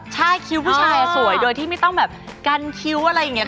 ใช่คิ้วผู้ชายสวยโดยที่ไม่ต้องแบบกันคิ้วอะไรอย่างนี้